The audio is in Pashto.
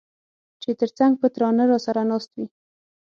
چي تر څنګ په تناره راسره ناست وې